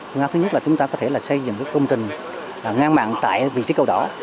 phương án thứ nhất là chúng ta có thể xây dựng công trình ngang mạng tại vị trí cầu đỏ